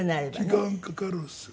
時間かかるんですよね。